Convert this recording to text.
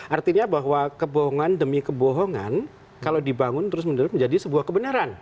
artinya bahwa kebohongan demi kebohongan kalau dibangun terus menerus menjadi sebuah kebenaran